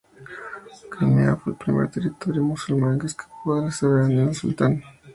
Crimea fue el primer territorio musulmán que escapó de la soberanía del sultán.